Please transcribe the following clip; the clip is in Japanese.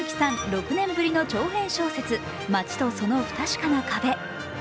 ６年ぶりの長編小説、「街とその不確かな壁」。